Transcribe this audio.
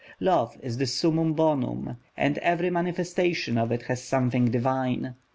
Love is the summum bonum, and every manifestation of it has something divine.